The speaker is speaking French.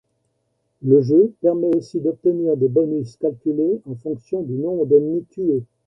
Le jeu permet aussi d'obtenir des bonus calculés en fonction du nombre d'ennemis tués.